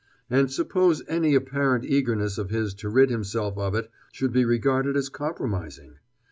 And suppose any apparent eagerness of his to rid himself of it should be regarded as compromising?